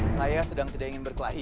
saya sedang tidak ingin berkelahi